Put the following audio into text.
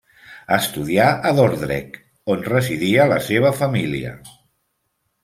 Estudià a Dordrecht, on residia la seva família.